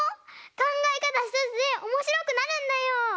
かんがえかたひとつでおもしろくなるんだよ！